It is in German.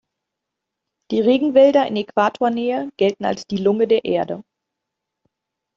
Die Regenwälder in Äquatornähe gelten als die Lunge der Erde.